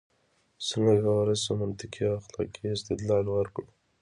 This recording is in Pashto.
څنګه کولای شو منطقي او اخلاقي استدلال وکړو؟